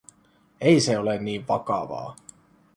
Ei se ole niin vakavaa.